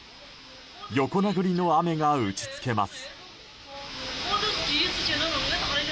横殴りの雨が打ち付けます。